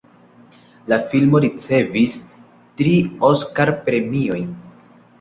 La filmo ricevis tri Oskar-premiojn.